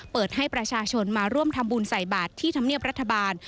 เปิดให้ประชาชนมาร่วมทำบุญใส่บาทที่ธรรมเนียบรัฐบาล